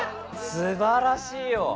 すばらしいよ。